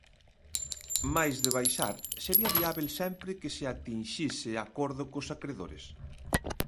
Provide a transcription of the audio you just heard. Mais de baixar, sería viábel sempre que se atinxise acordo cos acredores.